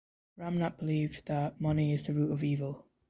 Ramnath believed that money is the root of evil.